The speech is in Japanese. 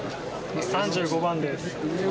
３５番です。